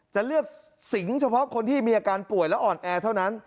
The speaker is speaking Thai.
จะเลือกสิงเฉพาะคนที่มีอาการป่วยและอ่อนแอเท่านั้น